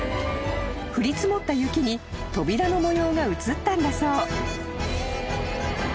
［降り積もった雪に扉の模様がうつったんだそう］